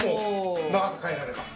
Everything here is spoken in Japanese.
長さ変えられます。